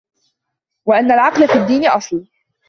وَأَنَّ الْعَقْلَ فِي الدِّينِ أَصْلٌ